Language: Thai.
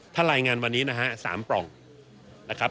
ถ้ารายงานวันนี้นะฮะ๓ปล่องนะครับ